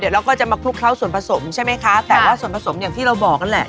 เดี๋ยวเราก็จะมาครุ่งเข้าส่วนผสมใช่ไหมคะแต่ว่าบอกแหละ